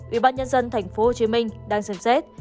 ubnd tp hcm đang xem xét